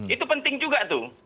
itu penting juga tuh